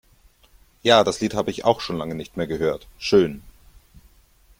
Ja, das Lied habe ich auch schon lange nicht mehr gehört. Schön!